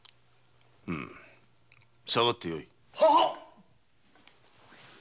うむさがってよい。